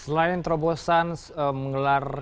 selain terobosan mengelar